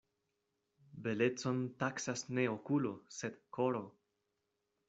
Belecon taksas ne okulo sed koro.